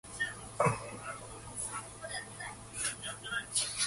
It was then sent by special messenger over to the Senate.